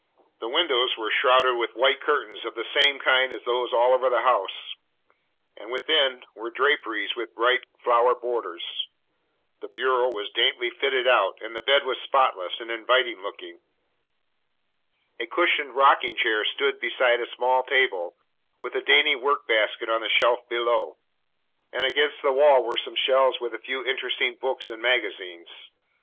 The windows were shrouded with white curtains of the same kind as those all over the house, and within were draperies with bright flower borders. The bureau was daintily fitted out, and the bed was spotless and inviting looking. A cushioned rocking chair stood beside a small table, with a dainty work basket on the shelf below; and against the wall were some shelves with a few interesting books and magazines.